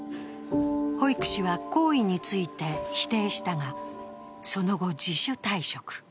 保育士は行為について否定したが、その後、自主退職。